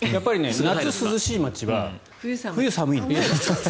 夏、涼しい街は冬、寒いんです。